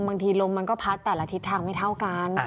บางทีลมมันก็พัดแต่ละทิศทางไม่เท่ากัน